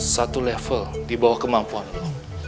suatu level di bawah kemampuan lo